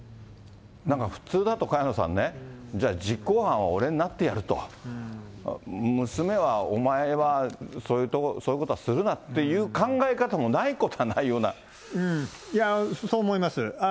なんか普通だと萱野さんね、じゃあ、実行犯は俺がなってやると、娘は、お前はそういうことはするなっていう考え方もないことはないようそう思います。